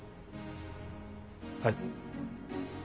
はい。